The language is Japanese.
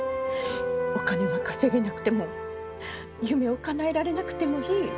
お金が稼げなくても夢をかなえられなくてもいい。